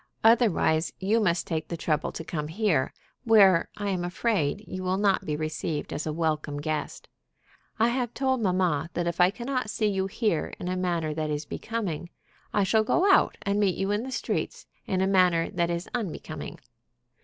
Otherwise, you must take the trouble to come here, where, I am afraid, you will not be received as a welcome guest. I have told mamma that if I cannot see you here in a manner that is becoming, I shall go out and meet you in the streets, in a manner that is unbecoming.